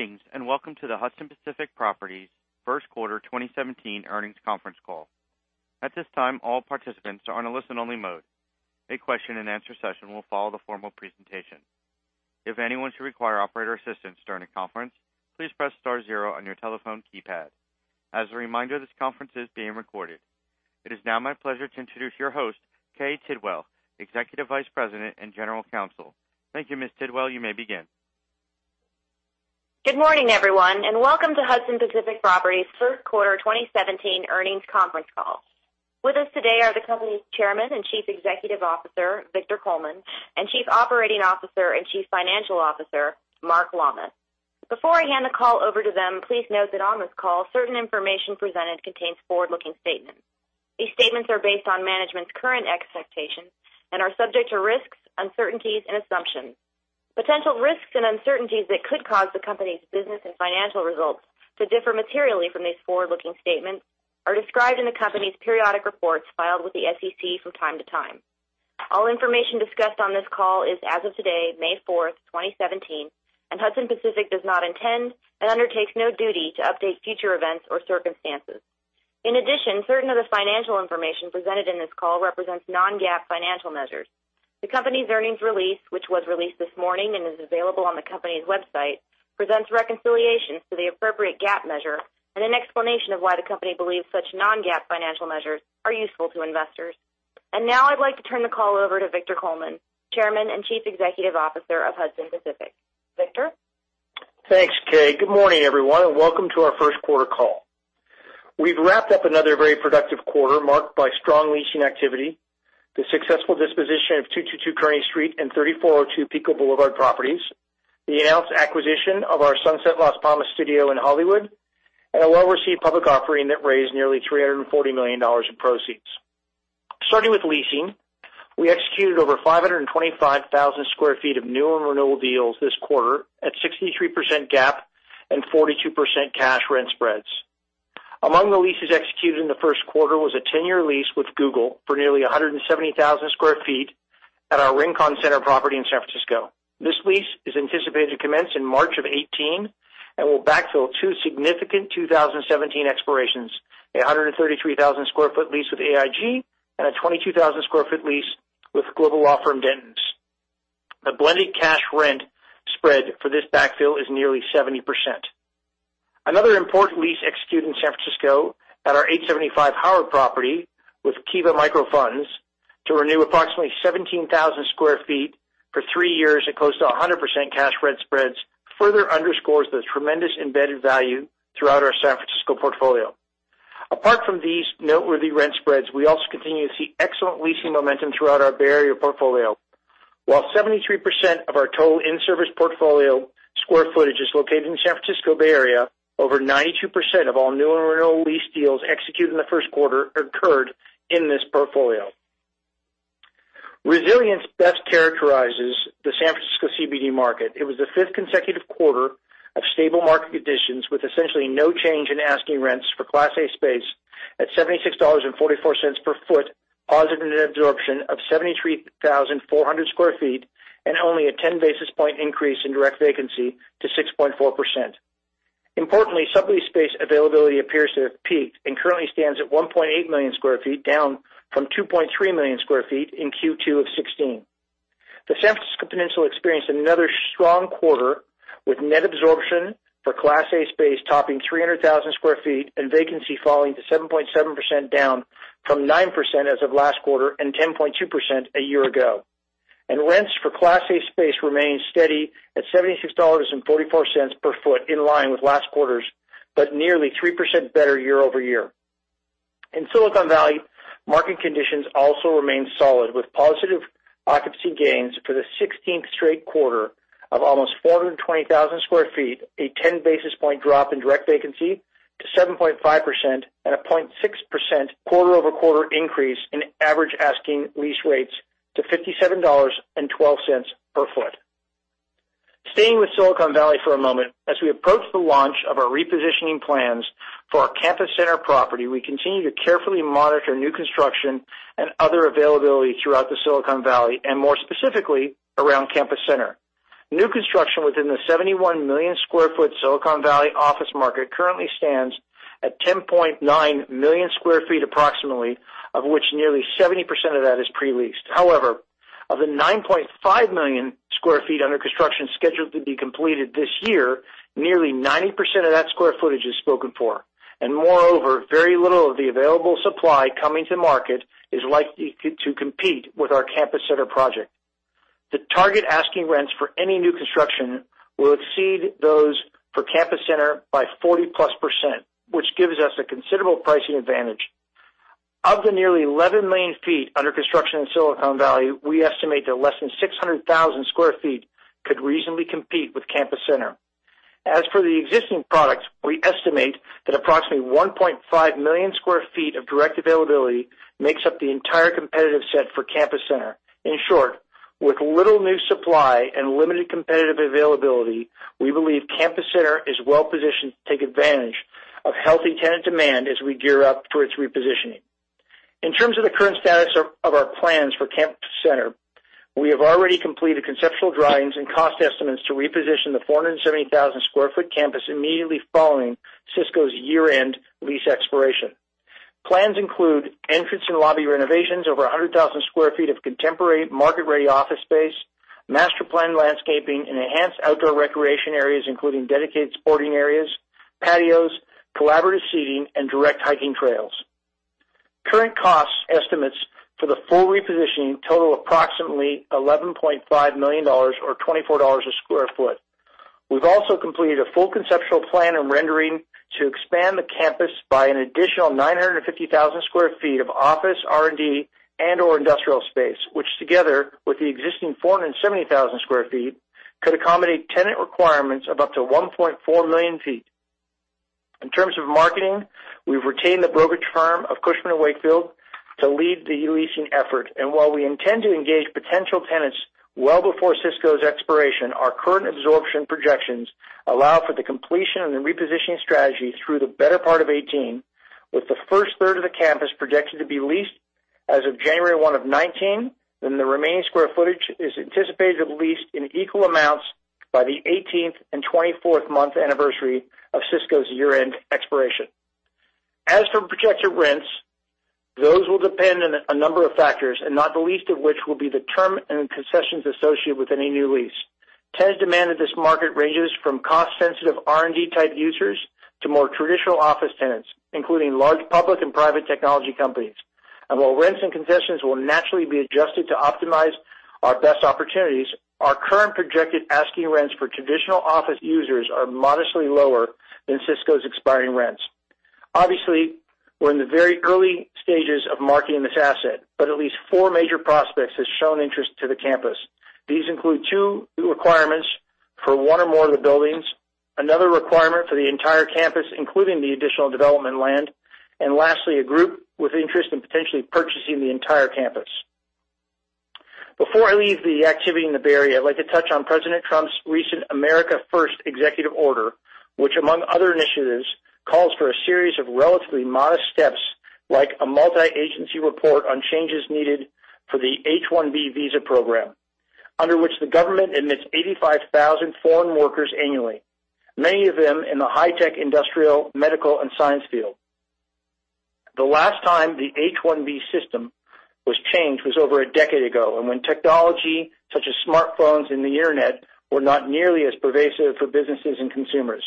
Greetings, welcome to the Hudson Pacific Properties first quarter 2017 earnings conference call. At this time, all participants are on a listen-only mode. A question and answer session will follow the formal presentation. If anyone should require operator assistance during the conference, please press star zero on your telephone keypad. As a reminder, this conference is being recorded. It is now my pleasure to introduce your host, Kay Tidwell, Executive Vice President and General Counsel. Thank you, Ms. Tidwell. You may begin. Good morning, everyone, welcome to Hudson Pacific Properties' first quarter 2017 earnings conference call. With us today are the company's Chairman and Chief Executive Officer, Victor Coleman, and Chief Operating Officer and Chief Financial Officer, Mark Lammas. Before I hand the call over to them, please note that on this call, certain information presented contains forward-looking statements. These statements are based on management's current expectations and are subject to risks, uncertainties, and assumptions. Potential risks and uncertainties that could cause the company's business and financial results to differ materially from these forward-looking statements are described in the company's periodic reports filed with the SEC from time to time. All information discussed on this call is as of today, May 4, 2017, Hudson Pacific does not intend and undertakes no duty to update future events or circumstances. In addition, certain of the financial information presented in this call represents non-GAAP financial measures. The company's earnings release, which was released this morning and is available on the company's website, presents reconciliations to the appropriate GAAP measure and an explanation of why the company believes such non-GAAP financial measures are useful to investors. Now I'd like to turn the call over to Victor Coleman, Chairman and Chief Executive Officer of Hudson Pacific. Victor? Thanks, Kay. Good morning, everyone, welcome to our first quarter call. We've wrapped up another very productive quarter marked by strong leasing activity, the successful disposition of 222 Kearny Street and 3402 Pico Boulevard properties, the announced acquisition of our Sunset Las Palmas Studios in Hollywood, and a well-received public offering that raised nearly $340 million in proceeds. Starting with leasing, we executed over 525,000 square feet of new and renewal deals this quarter at 63% GAAP and 42% cash rent spreads. Among the leases executed in the first quarter was a 10-year lease with Google for nearly 170,000 square feet at our Rincon Center property in San Francisco. This lease is anticipated to commence in March of 2018 and will backfill two significant 2017 expirations, a 133,000-square-foot lease with AIG and a 22,000-square-foot lease with global law firm Dentons. The blended cash rent spread for this backfill is nearly 70%. Another important lease executed in San Francisco at our 875 Howard property with Kiva Microfunds to renew approximately 17,000 square feet for 3 years at close to 100% cash rent spreads further underscores the tremendous embedded value throughout our San Francisco portfolio. Apart from these noteworthy rent spreads, we also continue to see excellent leasing momentum throughout our Bay Area portfolio. While 73% of our total in-service portfolio square footage is located in San Francisco Bay Area, over 92% of all new and renewal lease deals executed in the first quarter occurred in this portfolio. Resilience best characterizes the San Francisco CBD market. It was the fifth consecutive quarter of stable market conditions with essentially no change in asking rents for Class A space at $76.44 per foot, positive net absorption of 73,400 square feet, only a 10-basis-point increase in direct vacancy to 6.4%. Importantly, sublease space availability appears to have peaked and currently stands at 1.8 million square feet, down from 2.3 million square feet in Q2 of '16. The San Francisco Peninsula experienced another strong quarter with net absorption for Class A space topping 300,000 square feet and vacancy falling to 7.7%, down from 9% as of last quarter and 10.2% a year ago. Rents for Class A space remain steady at $76.44 per foot, in line with last quarter's, but nearly 3% better year-over-year. In Silicon Valley, market conditions also remain solid with positive occupancy gains for the 16th straight quarter of almost 420,000 square feet, a 10-basis-point drop in direct vacancy to 7.5%, a 0.6% quarter-over-quarter increase in average asking lease rates to $57.12 per foot. Staying with Silicon Valley for a moment, as we approach the launch of our repositioning plans for our Campus Center property, we continue to carefully monitor new construction and other availability throughout the Silicon Valley, and more specifically, around Campus Center. New construction within the 71 million square foot Silicon Valley office market currently stands at 10.9 million square feet approximately, of which nearly 70% of that is pre-leased. However, of the 9.5 million square feet under construction scheduled to be completed this year, nearly 90% of that square footage is spoken for. Moreover, very little of the available supply coming to market is likely to compete with our Campus Center project. The target asking rents for any new construction will exceed those for Campus Center by 40-plus%, which gives us a considerable pricing advantage. Of the nearly 11 million feet under construction in Silicon Valley, we estimate that less than 600,000 square feet could reasonably compete with Campus Center. As for the existing products, we estimate that approximately 1.5 million square feet of direct availability makes up the entire competitive set for Campus Center. In short, with little new supply and limited competitive availability, we believe Campus Center is well-positioned to take advantage of healthy tenant demand as we gear up for its repositioning. In terms of the current status of our plans for Campus Center, we have already completed conceptual drawings and cost estimates to reposition the 470,000 square foot campus immediately following Cisco's year-end lease expiration. Plans include entrance and lobby renovations, over 100,000 square feet of contemporary market-ready office space, master plan landscaping and enhanced outdoor recreation areas, including dedicated sporting areas, patios, collaborative seating, and direct hiking trails. Current cost estimates for the full repositioning total approximately $11.5 million, or $24 a square foot. We've also completed a full conceptual plan and rendering to expand the campus by an additional 950,000 square feet of office, R&D, and/or industrial space, which together with the existing 470,000 square feet, could accommodate tenant requirements of up to 1.4 million feet. In terms of marketing, we've retained the brokerage firm of Cushman & Wakefield to lead the leasing effort. While we intend to engage potential tenants well before Cisco's expiration, our current absorption projections allow for the completion of the repositioning strategy through the better part of 2018, with the first third of the campus projected to be leased as of January 1 of 2019, the remaining square footage is anticipated to be leased in equal amounts by the 18th and 24th month anniversary of Cisco's year-end expiration. As for projected rents, those will depend on a number of factors, not the least of which will be the term and concessions associated with any new lease. Tenant demand in this market ranges from cost-sensitive R&D-type users to more traditional office tenants, including large public and private technology companies. While rents and concessions will naturally be adjusted to optimize our best opportunities, our current projected asking rents for traditional office users are modestly lower than Cisco's expiring rents. Obviously, we're in the very early stages of marketing this asset, but at least four major prospects have shown interest to the campus. These include two new requirements for one or more of the buildings, another requirement for the entire campus, including the additional development land, and lastly, a group with interest in potentially purchasing the entire campus. Before I leave the activity in the Bay Area, I'd like to touch on President Trump's recent America First executive order, which among other initiatives, calls for a series of relatively modest steps, like a multi-agency report on changes needed for the H-1B visa program, under which the government admits 85,000 foreign workers annually, many of them in the high-tech, industrial, medical, and science field. The last time the H-1B system was changed was over a decade ago, when technology such as smartphones and the internet were not nearly as pervasive for businesses and consumers.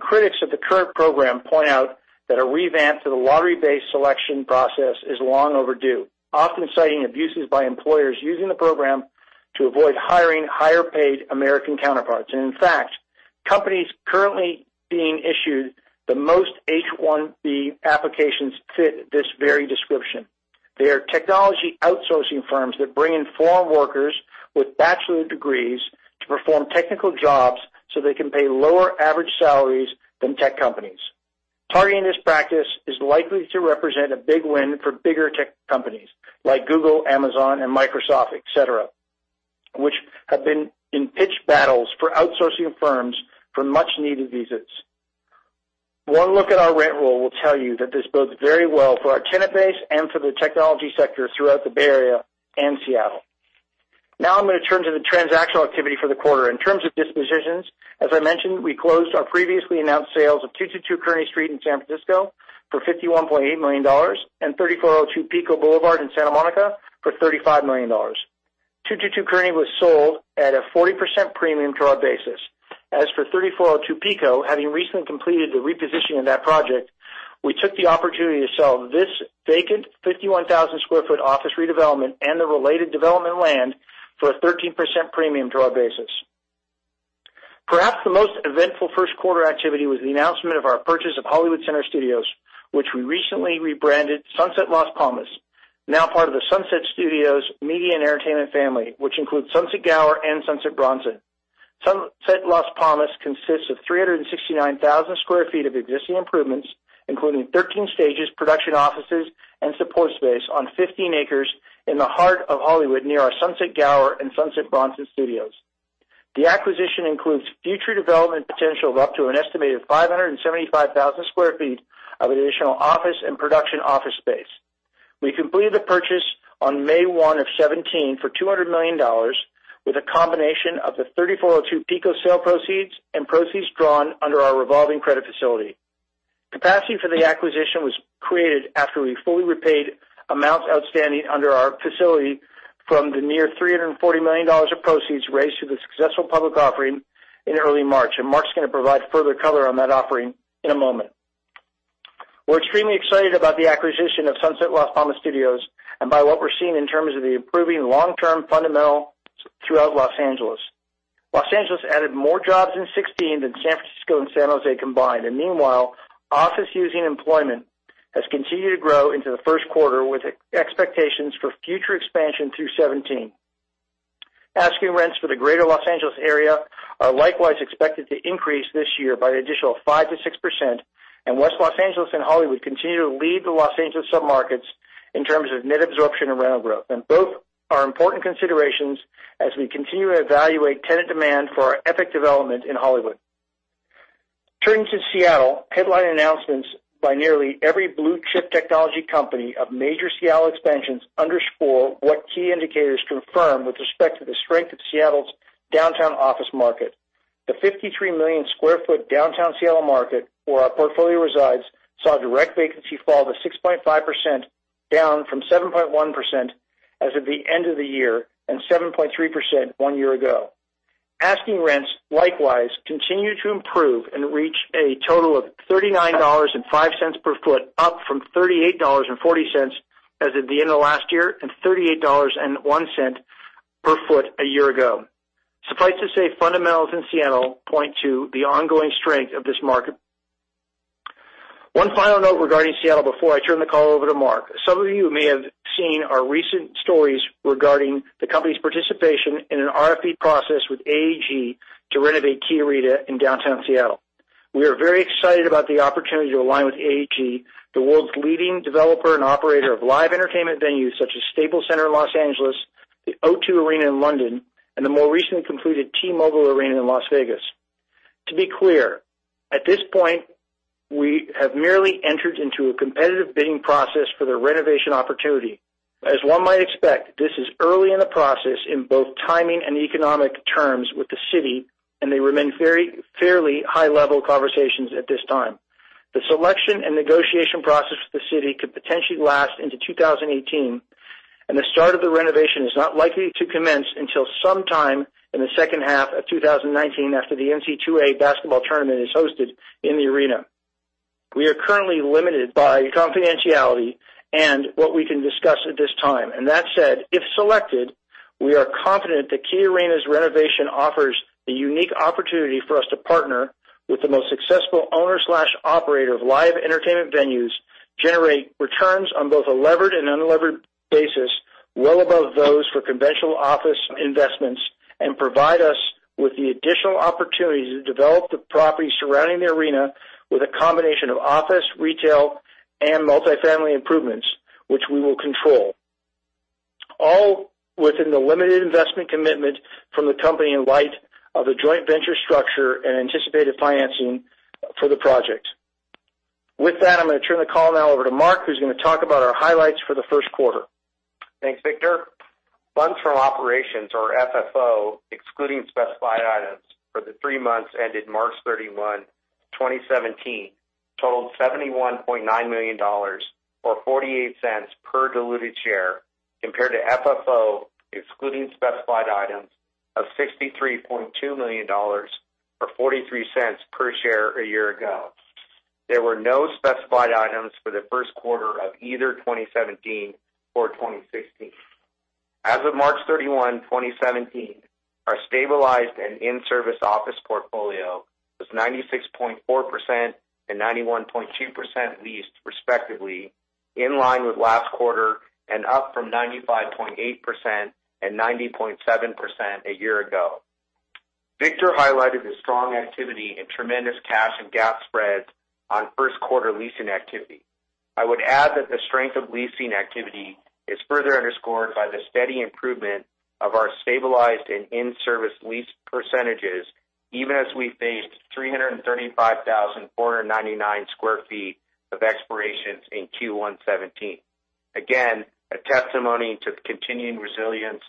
Critics of the current program point out that a revamp to the lottery-based selection process is long overdue, often citing abuses by employers using the program to avoid hiring higher-paid American counterparts. In fact, companies currently being issued the most H-1B applications fit this very description. They are technology outsourcing firms that bring in foreign workers with bachelor degrees to perform technical jobs so they can pay lower average salaries than tech companies. Targeting this practice is likely to represent a big win for bigger tech companies like Google, Amazon, and Microsoft, et cetera, which have been in pitched battles for outsourcing firms for much-needed visas. One look at our rent roll will tell you that this bodes very well for our tenant base and for the technology sector throughout the Bay Area and Seattle. I'm going to turn to the transactional activity for the quarter. In terms of dispositions, as I mentioned, we closed our previously announced sales of 222 Kearny Street in San Francisco for $51.8 million, and 3402 Pico Boulevard in Santa Monica for $35 million. 222 Kearny was sold at a 40% premium to our basis. As for 3402 Pico, having recently completed the repositioning of that project, we took the opportunity to sell this vacant 51,000 sq ft office redevelopment and the related development land for a 13% premium to our basis. Perhaps the most eventful first quarter activity was the announcement of our purchase of Hollywood Center Studios, which we recently rebranded Sunset Las Palmas, now part of the Sunset Studios media and entertainment family, which includes Sunset Gower and Sunset Bronson. Sunset Las Palmas consists of 369,000 sq ft of existing improvements, including 13 stages, production offices, and support space on 15 acres in the heart of Hollywood, near our Sunset Gower and Sunset Bronson studios. The acquisition includes future development potential of up to an estimated 575,000 sq ft of additional office and production office space. We completed the purchase on May 1, 2017 for $200 million, with a combination of the 3402 Pico sale proceeds and proceeds drawn under our revolving credit facility. Capacity for the acquisition was created after we fully repaid amounts outstanding under our facility from the near $340 million of proceeds raised through the successful public offering in early March. Mark's going to provide further color on that offering in a moment. We're extremely excited about the acquisition of Sunset Las Palmas Studios and by what we're seeing in terms of the improving long-term fundamentals throughout Los Angeles. Los Angeles added more jobs in 2016 than San Francisco and San Jose combined. Meanwhile, office using employment has continued to grow into the first quarter, with expectations for future expansion through 2017. Asking rents for the greater Los Angeles area are likewise expected to increase this year by an additional 5%-6%. West Los Angeles and Hollywood continue to lead the Los Angeles submarkets in terms of net absorption and rental growth. Both are important considerations as we continue to evaluate tenant demand for our Epic development in Hollywood. Turning to Seattle, headline announcements by nearly every blue-chip technology company of major Seattle expansions underscore what key indicators confirm with respect to the strength of Seattle's downtown office market. The 53 million sq ft downtown Seattle market, where our portfolio resides, saw direct vacancy fall to 6.5%, down from 7.1% as of the end of the year and 7.3% one year ago. Asking rents likewise continued to improve and reach a total of $39.05 per foot, up from $38.40 as of the end of last year and $38.01 per foot a year ago. Suffice to say, fundamentals in Seattle point to the ongoing strength of this market. One final note regarding Seattle before I turn the call over to Mark. Some of you may have seen our recent stories regarding the company's participation in an RFP process with AEG to renovate KeyArena in downtown Seattle. We are very excited about the opportunity to align with AEG, the world's leading developer and operator of live entertainment venues such as Staples Center in Los Angeles, the O2 Arena in London, and the more recently concluded T-Mobile Arena in Las Vegas. To be clear, at this point, we have merely entered into a competitive bidding process for the renovation opportunity. As one might expect, this is early in the process in both timing and economic terms with the city, they remain fairly high-level conversations at this time. The selection and negotiation process for the city could potentially last into 2018, the start of the renovation is not likely to commence until sometime in the second half of 2019, after the NCAA basketball tournament is hosted in the arena. We are currently limited by confidentiality in what we can discuss at this time. That said, if selected, we are confident that KeyArena's renovation offers a unique opportunity for us to partner with the most successful owner/operator of live entertainment venues, generate returns on both a levered and unlevered basis well above those for conventional office investments, and provide us with the additional opportunities to develop the property surrounding the arena with a combination of office, retail, and multifamily improvements, which we will control. All within the limited investment commitment from the company in light of the joint venture structure and anticipated financing for the project. With that, I'm going to turn the call now over to Mark, who's going to talk about our highlights for the first quarter. Thanks, Victor. Funds from operations or FFO, excluding specified items for the three months ended March 31, 2017, totaled $71.9 million, or $0.48 per diluted share, compared to FFO excluding specified items of $63.2 million or $0.43 per share a year ago. There were no specified items for the first quarter of either 2017 or 2016. As of March 31, 2017, our stabilized and in-service office portfolio was 96.4% and 91.2% leased respectively, in line with last quarter and up from 95.8% and 90.7% a year ago. Victor highlighted the strong activity and tremendous cash and GAAP spreads on first-quarter leasing activity. I would add that the strength of leasing activity is further underscored by the steady improvement of our stabilized and in-service lease percentages, even as we faced 335,499 sq ft of expirations in Q1 2017. A testimony to the continuing resilience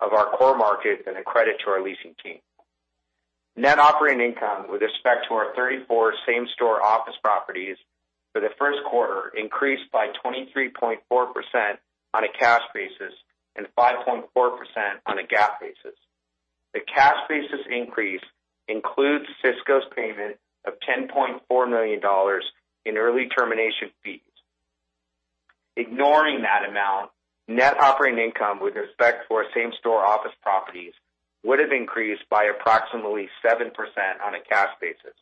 of our core markets and a credit to our leasing team. Net operating income with respect to our 34 same-store office properties for the first quarter increased by 23.4% on a cash basis and 5.4% on a GAAP basis. The cash-basis increase includes Cisco's payment of $10.4 million in early termination fees. Ignoring that amount, net operating income with respect to our same-store office properties would have increased by approximately 7% on a cash basis.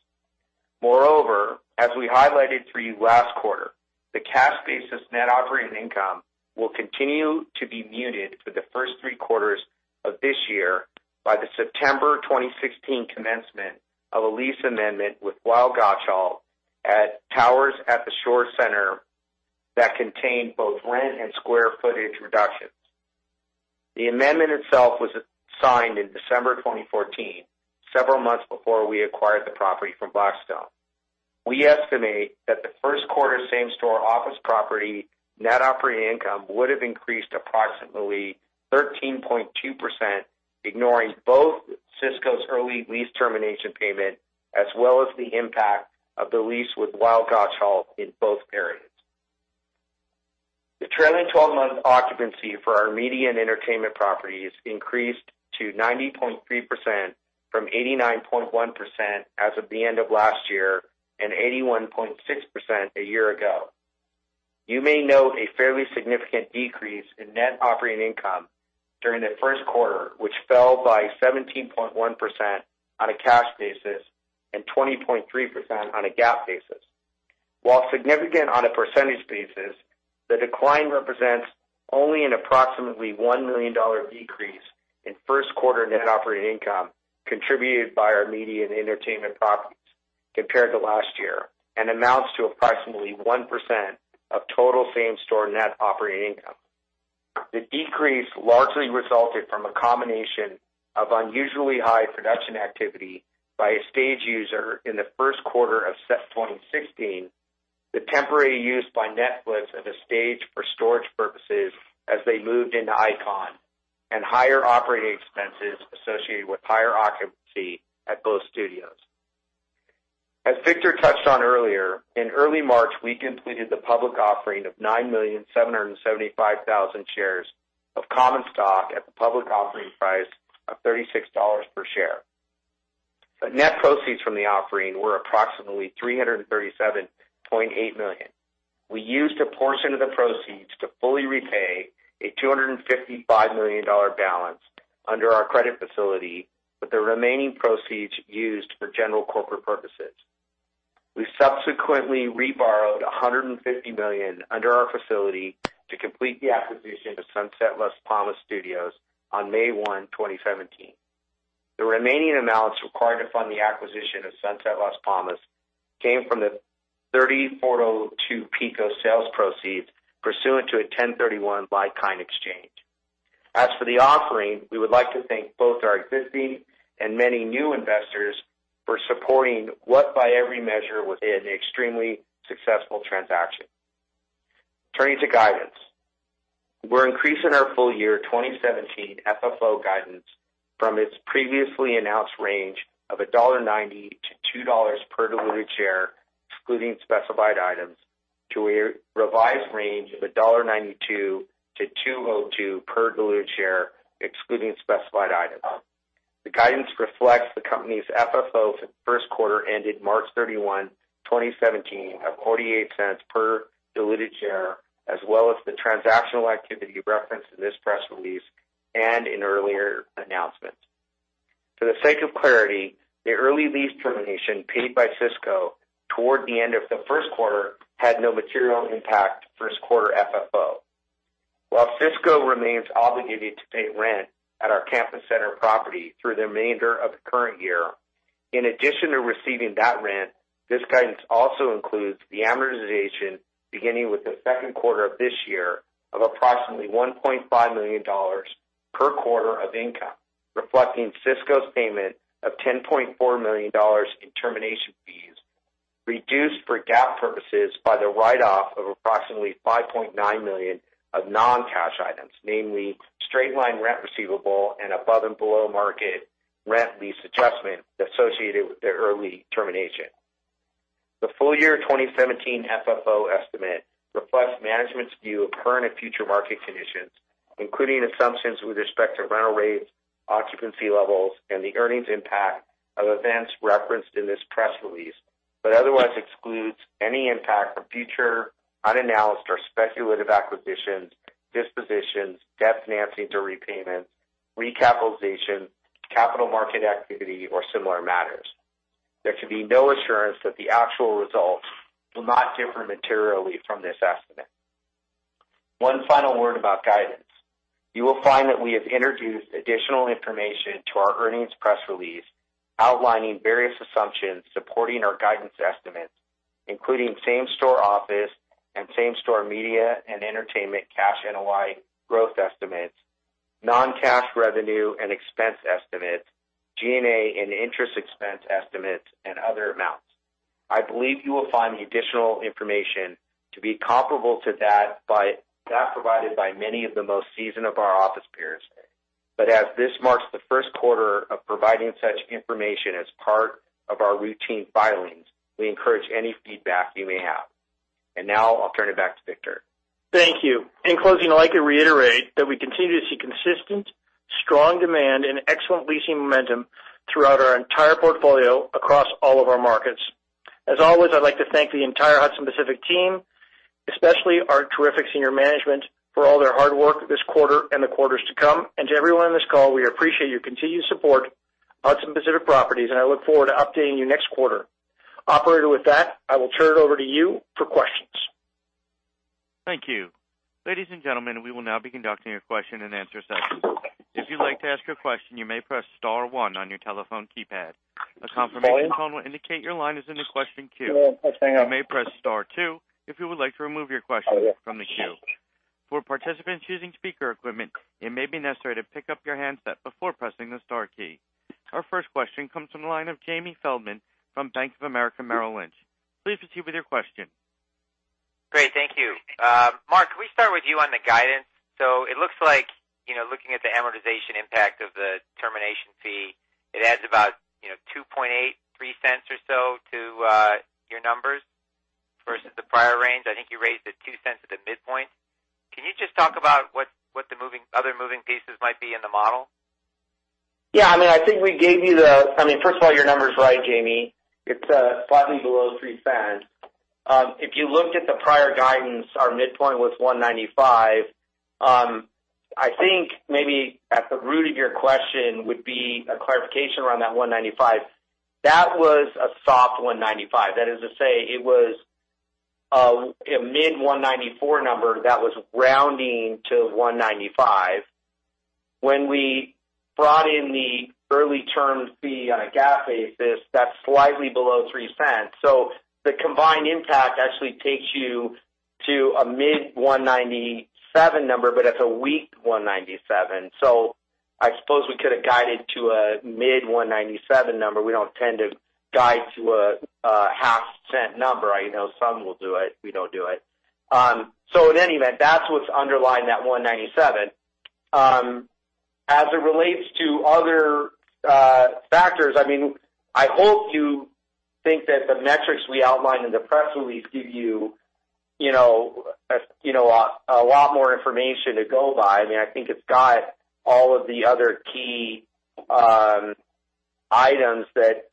As we highlighted for you last quarter, the cash-basis net operating income will continue to be muted for the first three quarters of this year by the September 2016 commencement of a lease amendment with Weil Gotshal at Towers at Shores Center that contained both rent and square footage reductions. The amendment itself was signed in December 2014, several months before we acquired the property from Blackstone. We estimate that the first quarter same-store office property net operating income would have increased approximately 13.2%, ignoring both Cisco's early lease termination payment, as well as the impact of the lease with Weil Gotshal in both periods. The trailing 12-month occupancy for our media and entertainment properties increased to 90.3% from 89.1% as of the end of last year and 81.6% a year ago. You may note a fairly significant decrease in net operating income during the first quarter, which fell by 17.1% on a cash basis and 20.3% on a GAAP basis. While significant on a percentage basis, the decline represents only an approximately $1 million decrease in first-quarter net operating income contributed by our media and entertainment properties compared to last year and amounts to approximately 1% of total same-store net operating income. The decrease largely resulted from a combination of unusually high production activity by a stage user in the first quarter of 2016, the temporary use by Netflix of a stage for storage purposes as they moved into Icon, and higher operating expenses associated with higher occupancy at both studios. As Victor touched on earlier, in early March, we completed the public offering of 9,775,000 shares of common stock at the public offering price of $36 per share. The net proceeds from the offering were approximately $337.8 million. We used a portion of the proceeds to fully repay a $255 million balance under our credit facility, with the remaining proceeds used for general corporate purposes. We subsequently reborrowed $150 million under our facility to complete the acquisition of Sunset Las Palmas Studios on May 1, 2017. The remaining amounts required to fund the acquisition of Sunset Las Palmas came from the 3402 Pico sales proceeds pursuant to a 1031 like-kind exchange. As for the offering, we would like to thank both our existing and many new investors for supporting what by every measure was an extremely successful transaction. Turning to guidance. We're increasing our full-year 2017 FFO guidance from its previously announced range of $1.90-$2 per diluted share, excluding specified items, to a revised range of $1.92-$2.02 per diluted share, excluding specified items. The guidance reflects the company's FFO for the first quarter ended March 31, 2017, of $0.48 per diluted share, as well as the transactional activity referenced in this press release and in earlier announcements. For the sake of clarity, the early lease termination paid by Cisco toward the end of the first quarter had no material impact first quarter FFO. While Cisco remains obligated to pay rent at our Campus Center property through the remainder of the current year, in addition to receiving that rent, this guidance also includes the amortization beginning with the second quarter of this year of approximately $1.5 million per quarter of income, reflecting Cisco's payment of $10.4 million in termination fees, reduced for GAAP purposes by the write-off of approximately $5.9 million of non-cash items, namely straight-line rent receivable and above and below market rent lease adjustment associated with the early termination. The full year 2017 FFO estimate reflects management's view of current and future market conditions, including assumptions with respect to rental rates, occupancy levels, and the earnings impact of events referenced in this press release, otherwise excludes any impact from future unanalyzed or speculative acquisitions, dispositions, debt financings, or repayments, recapitalizations, capital market activity, or similar matters. There can be no assurance that the actual results will not differ materially from this estimate. One final word about guidance. You will find that we have introduced additional information to our earnings press release outlining various assumptions supporting our guidance estimates, including same-store office and same-store media and entertainment cash NOI growth estimates, non-cash revenue and expense estimates, G&A and interest expense estimates, and other amounts. I believe you will find the additional information to be comparable to that provided by many of the most seasoned of our office peers. As this marks the first quarter of providing such information as part of our routine filings, we encourage any feedback you may have. Now I'll turn it back to Victor. Thank you. In closing, I'd like to reiterate that we continue to see consistent, strong demand and excellent leasing momentum throughout our entire portfolio across all of our markets. As always, I'd like to thank the entire Hudson Pacific team, especially our terrific senior management for all their hard work this quarter and the quarters to come. To everyone on this call, we appreciate your continued support of Hudson Pacific Properties, and I look forward to updating you next quarter. Operator, with that, I will turn it over to you for questions. Thank you. Ladies and gentlemen, we will now be conducting a question and answer session. If you'd like to ask a question, you may press star one on your telephone keypad. A confirmation tone will indicate your line is in the question queue. You may press star two if you would like to remove your question from the queue. For participants using speaker equipment, it may be necessary to pick up your handset before pressing the star key. Our first question comes from the line of Jamie Feldman from Bank of America Merrill Lynch. Please proceed with your question. Great. Thank you. Mark, can we start with you on the guidance? It looks like, looking at the amortization impact of the termination fee, it adds about $0.0283 or so to your numbers versus the prior range. I think you raised it $0.02 at the midpoint. Can you just talk about what the other moving pieces might be in the model? Yeah. First of all, your number's right, Jamie. It's slightly below $0.03. If you looked at the prior guidance, our midpoint was $1.95. I think maybe at the root of your question would be a clarification around that $1.95. That was a soft $1.95. That is to say, it was a mid-$1.94 number that was rounding to $1.95. When we brought in the early term fee on a GAAP basis, that's slightly below $0.03. The combined impact actually takes you to a mid-$1.97 number, but it's a weak $1.97. I suppose we could have guided to a mid-$1.97 number. We don't tend to guide to a $0.005 number. I know some will do it. We don't do it. In any event, that's what's underlying that $1.97. As it relates to other factors, I hope you think that the metrics we outlined in the press release give you a lot more information to go by. I think it's got all of the other key items that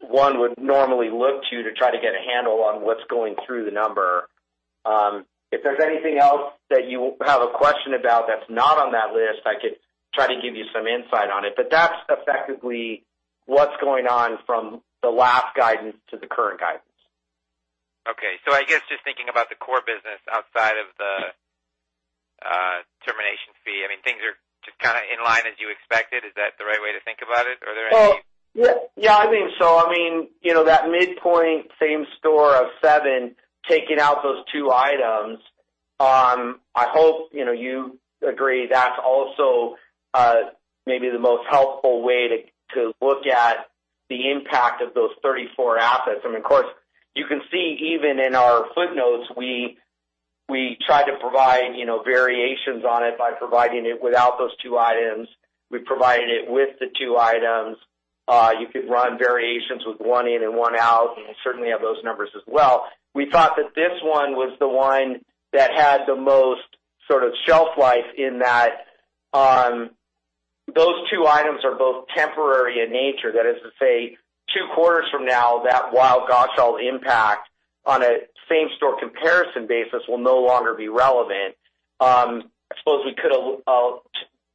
one would normally look to try to get a handle on what's going through the number. If there's anything else that you have a question about that's not on that list, I could try to give you some insight on it. That's effectively what's going on from the last guidance to the current guidance. I guess just thinking about the core business outside of the termination fee, things are just kind of in line as you expected. Is that the right way to think about it? Are there any- Yeah, I think so. That midpoint, same store of 7%, taking out those two items. I hope you agree that's also maybe the most helpful way to look at the impact of those 34 assets. Of course, you can see even in our footnotes, we try to provide variations on it by providing it without those two items. We provided it with the two items. You could run variations with one in and one out, and we certainly have those numbers as well. We thought that this one was the one that had the most sort of shelf life in that those two items are both temporary in nature. That is to say, two quarters from now, that Weil Gotshal impact on a same-store comparison basis will no longer be relevant. I suppose we could have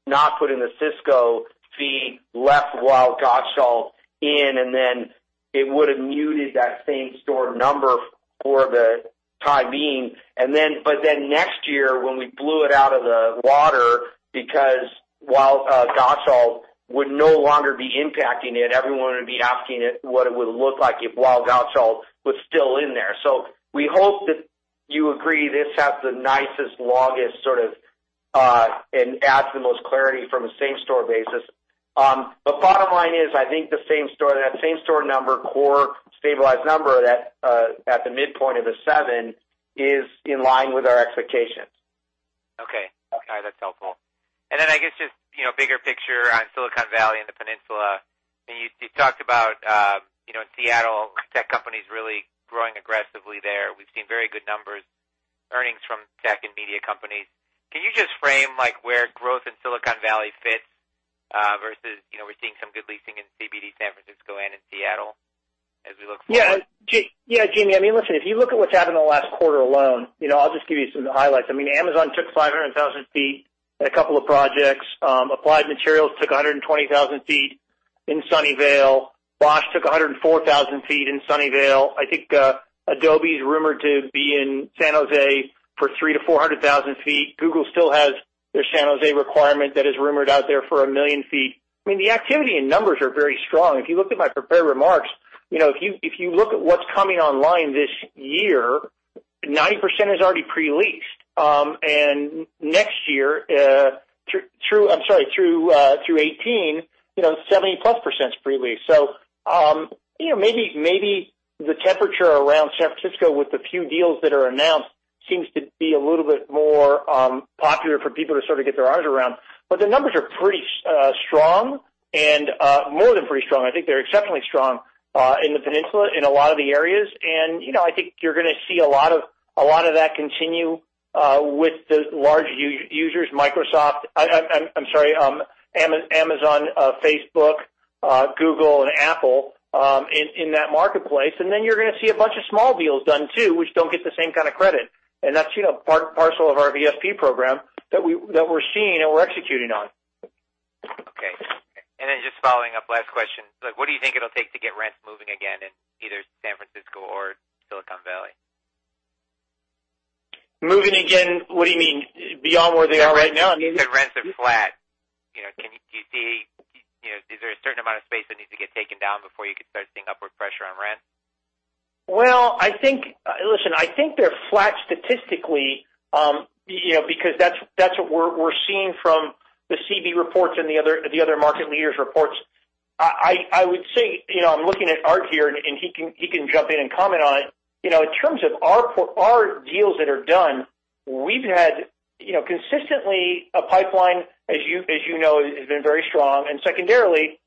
not put in the Cisco fee, left Weil Gotshal in, then it would have muted that same store number for the time being. Next year when we blew it out of the water, because Weil Gotshal would no longer be impacting it, everyone would be asking what it would look like if Weil Gotshal was still in there. We hope that you agree this has the nicest, longest sort of, and adds the most clarity from a same-store basis. Bottom line is, I think that same-store number, core stabilized number at the midpoint of the 7% is in line with our expectations. That's helpful. I guess just bigger picture on Silicon Valley and the peninsula. You talked about in Seattle, tech companies really growing aggressively there. We've seen very good numbers, earnings from tech and media companies. Can you just frame where growth in Silicon Valley fits versus we're seeing some good leasing in CBD San Francisco and in Seattle as we look forward? Yeah, Jamie, listen, if you look at what's happened in the last quarter alone, I'll just give you some highlights. Amazon took 500,000 sq ft in a couple of projects. Applied Materials took 120,000 sq ft in Sunnyvale. Bosch took 104,000 sq ft in Sunnyvale. I think Adobe is rumored to be in San Jose for 300,000-400,000 sq ft. Google still has their San Jose requirement that is rumored out there for 1 million sq ft. The activity and numbers are very strong. If you look at my prepared remarks, if you look at what's coming online this year, 90% is already pre-leased. Next year, through 2018, 70-plus percent's pre-leased. Maybe the temperature around San Francisco with the few deals that are announced seems to be a little bit more popular for people to sort of get their arms around. The numbers are pretty strong, and more than pretty strong. I think they're exceptionally strong in the peninsula in a lot of the areas. I think you're going to see a lot of that continue with the large users, Amazon, Facebook, Google, and Apple in that marketplace. Then you're going to see a bunch of small deals done too, which don't get the same kind of credit. That's part and parcel of our VSP program that we're seeing and we're executing on. Okay. Then just following up, last question. What do you think it'll take to get rents moving again in either San Francisco or Silicon Valley? Moving again? What do you mean? Beyond where they are right now? Rents are flat. Is there a certain amount of space that needs to get taken down before you could start seeing upward pressure on rent? Well, listen, I think they're flat statistically because that's what we're seeing from the CB reports and the other market leaders' reports. I would say, I'm looking at Art here, and he can jump in and comment on it. In terms of our deals that are done, we've had consistently a pipeline, as you know, has been very strong. Secondarily,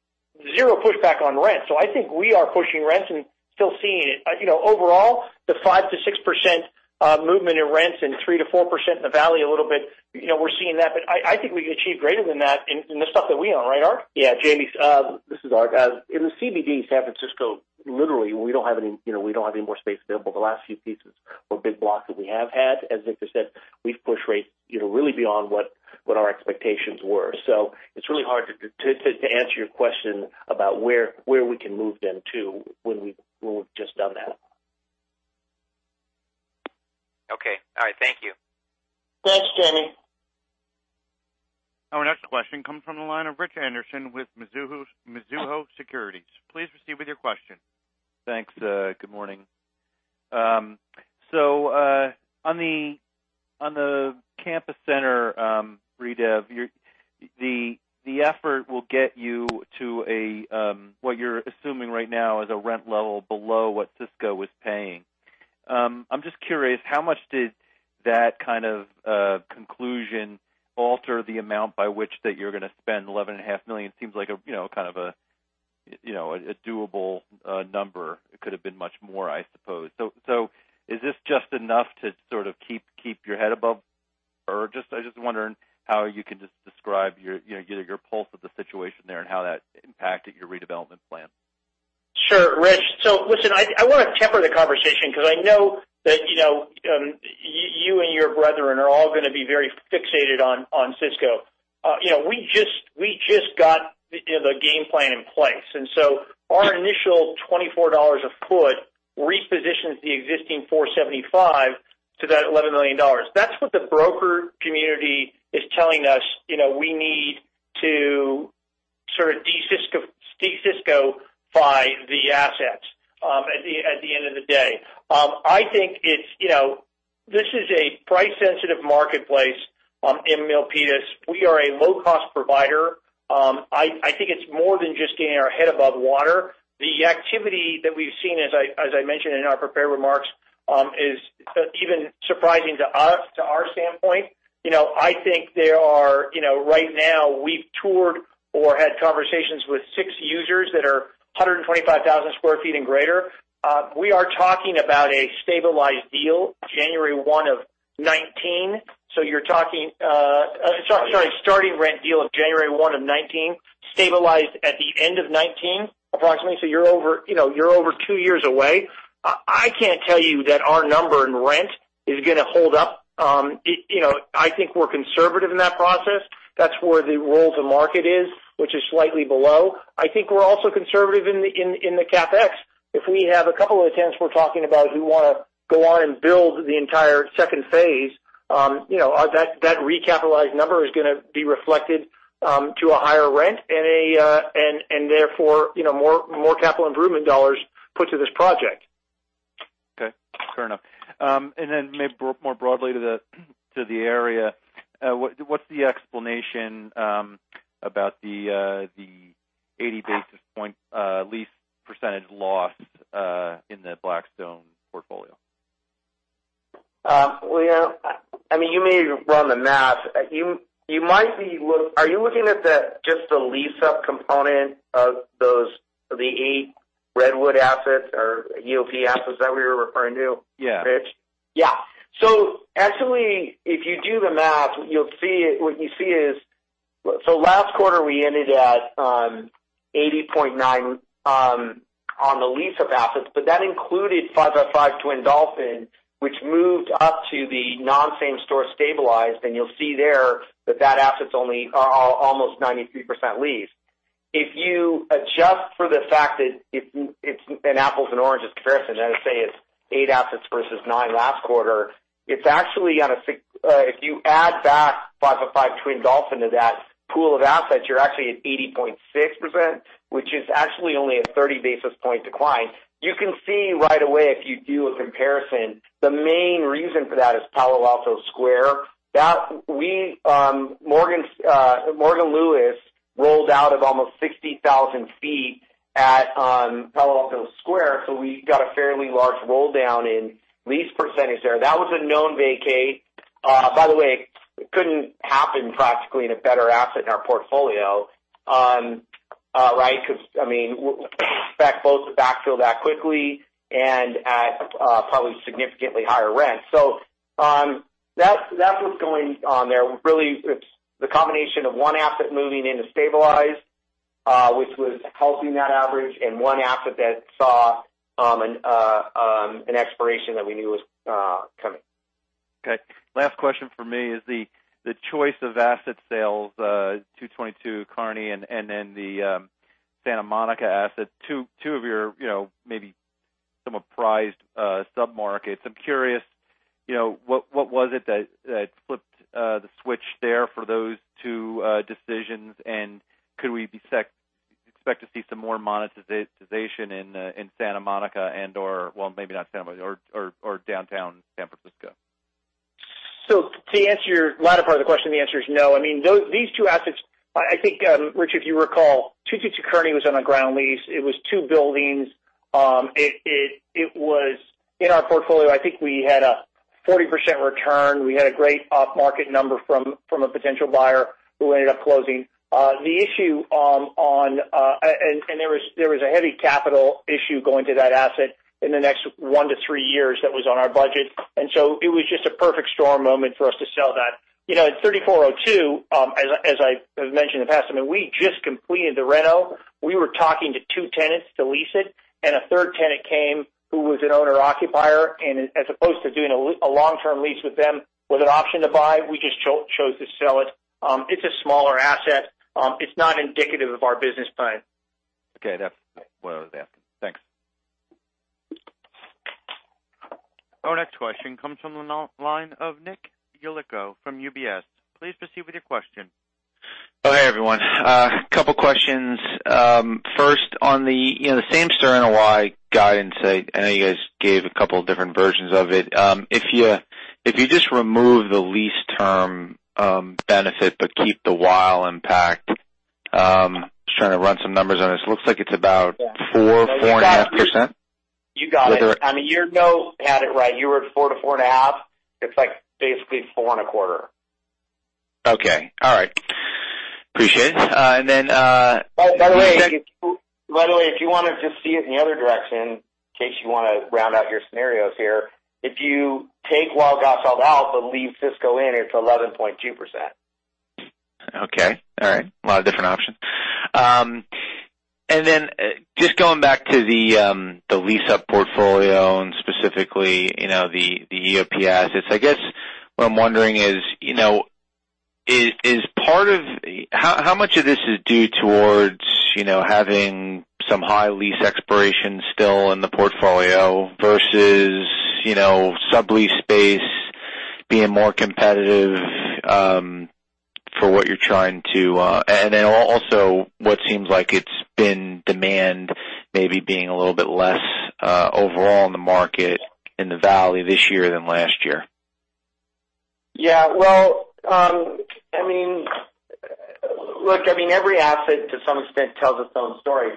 zero pushback on rent. I think we are pushing rents and still seeing it. Overall, the 5%-6% movement in rents and 3%-4% in the valley a little bit, we're seeing that. I think we can achieve greater than that in the stuff that we own, right Art? Jamie, this is Art. In the CBD San Francisco, literally, we don't have any more space available. The last few pieces were big blocks that we have had. As Victor said, we've pushed rates really beyond what our expectations were. It's really hard to answer your question about where we can move them to when we've just done that. Okay. All right. Thank you. Thanks, Jamie. Our next question comes from the line of Richard Anderson with Mizuho Securities. Please proceed with your question. Thanks. Good morning. On the campus center redev, the effort will get you to what you're assuming right now is a rent level below what Cisco was paying. I'm just curious, how much did that kind of conclusion alter the amount by which that you're going to spend $11.5 million? Seems like kind of a doable number. It could have been much more, I suppose. Is this just enough to sort of keep your head above or I'm just wondering how you can just describe your pulse of the situation there and how that impacted your redevelopment plan. Sure. Rich, listen, I want to temper the conversation because I know that you and your brethren are all going to be very fixated on Cisco. We just got the game plan in place. Our initial $24 a foot repositions the existing 475 to that $11 million. That's what the broker community is telling us. We need to sort of de-Cisco-fy the assets at the end of the day. I think this is a price-sensitive marketplace in Milpitas. We are a low-cost provider. I think it's more than just getting our head above water. The activity that we've seen, as I mentioned in our prepared remarks, is even surprising to us, to our standpoint. I think right now, we've toured or had conversations with six users that are 125,000 sq ft and greater. We are talking about a stabilized deal January 1 of 2019. Sorry, starting rent deal of January 1, 2019, stabilized at the end of 2019, approximately. You're over 2 years away. I can't tell you that our number in rent is going to hold up. I think we're conservative in that process. That's where the roll to market is, which is slightly below. I think we're also conservative in the CapEx. If we have a couple of tenants we're talking about who want to go on and build the entire second phase, that recapitalized number is going to be reflected to a higher rent and therefore, more capital improvement dollars put to this project. Okay. Fair enough. Then maybe more broadly to the area. What's the explanation about the 80 basis point lease percentage loss in the Blackstone portfolio? Well, you may run the math. Are you looking at just the lease-up component of the 8 Redwood assets or EOP assets? That what we were referring to? Yeah Rich? Yeah. Actually, if you do the math, what you see is, last quarter, we ended at 80.9% on the lease-up assets, but that included 505 Twin Dolphin, which moved up to the non-same store stabilized. You'll see there that asset's only almost 93% leased. If you adjust for the fact that it's an apples and oranges comparison, let's say it's 8 assets versus 9 last quarter. If you add back 505 Twin Dolphin to that pool of assets, you're actually at 80.6%, which is actually only a 30 basis point decline. You can see right away if you do a comparison, the main reason for that is Palo Alto Square. Morgan Lewis rolled out of almost 60,000 feet at Palo Alto Square, so we got a fairly large rolldown in lease percentage there. That was a known vacay. By the way, it couldn't happen practically in a better asset in our portfolio, right? Because we expect both to backfill that quickly and at probably significantly higher rent. That's what's going on there, really. It's the combination of one asset moving into stabilized which was helping that average, and one asset that saw an expiration that we knew was coming. Okay. Last question from me is the choice of asset sales, 222 Kearny and then the Santa Monica asset, two of your maybe some of prized sub-markets. I'm curious, what was it that flipped the switch there for those two decisions, and could we expect to see some more monetization in Santa Monica, well, maybe not Santa Monica or downtown San Francisco? To answer your latter part of the question, the answer is no. I mean, these two assets, I think, Rich, if you recall, 222 Kearny was on a ground lease. It was two buildings. It was in our portfolio. I think we had a 40% return. We had a great off-market number from a potential buyer who ended up closing. There was a heavy capital issue going to that asset in the next one to three years that was on our budget. It was just a perfect storm moment for us to sell that. At 3402, as I've mentioned in the past, I mean, we just completed the reno. We were talking to two tenants to lease it, a third tenant came who was an owner-occupier. As opposed to doing a long-term lease with them with an option to buy, we just chose to sell it. It's a smaller asset. It's not indicative of our business plan. Okay. That's what I was asking. Thanks. Our next question comes from the line of Nick Yulico from UBS. Please proceed with your question. Hey, everyone. A couple questions. First on the same store NOI guidance, I know you guys gave a couple of different versions of it. If you just remove the lease term benefit but keep the VSP impact, just trying to run some numbers on this. Looks like it's about- Yeah four, 4.5%. You got it. A year ago, you had it right. You were at 4%-4.5%. It's like basically 4.25%. Okay. All right. Appreciate it. By the way, if you want to just see it in the other direction, in case you want to round out your scenarios here. If you take Wildcat out but leave Cisco in, it's 11.2%. Okay. All right. A lot of different options. Just going back to the lease-up portfolio and specifically the EOP. I guess what I'm wondering is, how much of this is due towards having some high lease expirations still in the portfolio versus sublease space being more competitive, also what seems like it's been demand maybe being a little bit less overall in the market in the Valley this year than last year. Yeah. Look, every asset to some extent tells its own story.